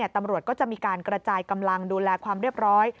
ตำรวจก็จะมีการกระจายกำลังดูแลความเรียบร้อย